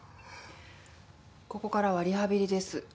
ここからはリハビリです。